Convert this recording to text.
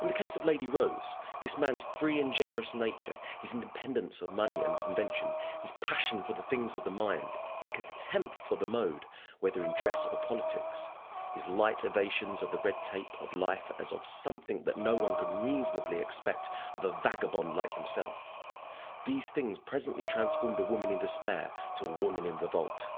In the case of Lady Rose, this man's free and generous nature, his independence of money and convention, his passion for the things of the mind, his contempt for the mode, whether in dress or politics, his light evasions of the red tape of life as of something that no one could reasonably expect of a vagabond like himself these things presently transformed a woman in despair to a woman in revolt.